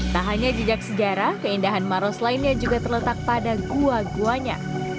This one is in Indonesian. tak hanya jejak sejarah keindahan maros lainnya juga terletak pada gua guanya